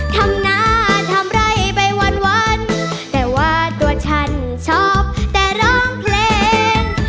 ทำหน้าทำไร่ไปวันแต่ว่าตัวฉันชอบแต่ร้องเพลง